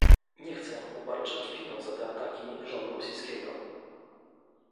Nie chcę obarczać winą za te ataki rządu rosyjskiego